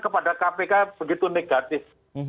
kepada kpk begitu negatif